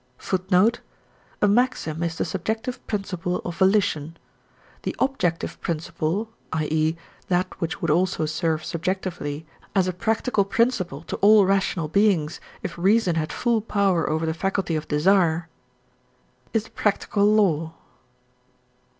* A maxim is the subjective principle of volition. The objective principle (i.e., that which would also serve subjectively as a practical principle to all rational beings if reason had full power over the faculty of desire) is the practical law.